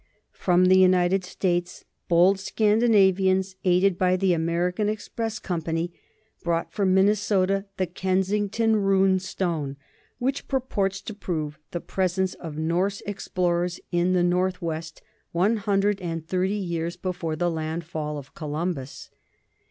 From the United States bold Scandinavians, aided by the American Express Com pany, brought from Minnesota the Kensington rune stone, which purports to prove the presence of Norse ex plorers in the northwest one hundred and thirty years before the landfall of Columbus.